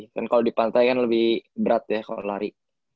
kan kalau di pantai kan lebih berat ya kalau lari